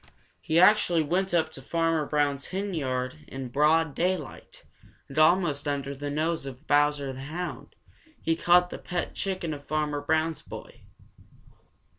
He actually went up to Farmer Brown's henyard in broad daylight, and almost under the nose of Bowser the Hound he caught the pet chicken of Farmer Brown's boy.